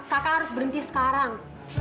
kakak harus berhenti sekarang